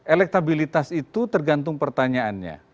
elektabilitas itu tergantung pertanyaannya